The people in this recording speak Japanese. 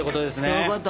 そういうこと。